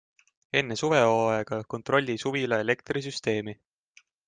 Enne suvehooaega kontrolli suvila elektrisüsteemi!